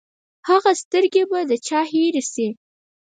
هغه سترګې به د چا هېرې شي!